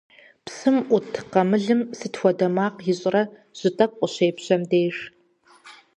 Псым Ӏут къамылым сыт хуэдэ макъ ищӀрэ жьы тӀэкӀу къыщепщэм деж?